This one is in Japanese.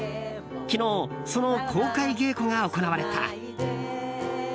昨日、その公開稽古が行われた。